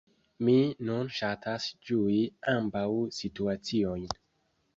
Mi nun ŝatas ĝui ambaŭ situaciojn.